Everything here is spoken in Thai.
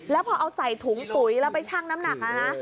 แล้วพอเอาใส่ถุงปุ๋ยแล้วไปชั่งน้ำหนักนะ